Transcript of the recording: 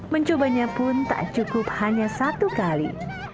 mencobanya pun tak cukup hanya satu kali